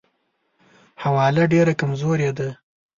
حواله ډېره کمزورې ده.